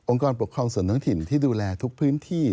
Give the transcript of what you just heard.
กรปกครองส่วนท้องถิ่นที่ดูแลทุกพื้นที่